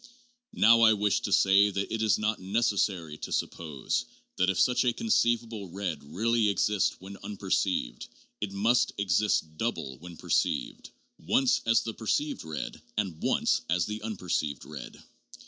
Now I wish to say that it is not neces sary to suppose that, if such a conceivable red really exists when unperceived, it must exist double when perceived— once as the perceived red and once as the unperceived red.